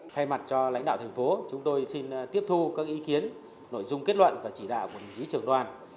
thay mặt cho lãnh đạo thành phố chúng tôi xin tiếp thu các ý kiến nội dung kết luận và chỉ đạo của đồng chí trưởng đoàn